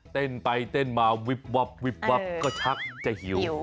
เต้นไปเต้นมาวิบวับวิบวับก็ชักจะหิว